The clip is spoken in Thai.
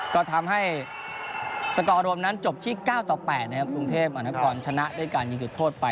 ก็ทำให้สกอร์รวมนั้นจบที่๙ต่อ๘นะครับกรุงเทพมหานครชนะด้วยการยิงจุดโทษไป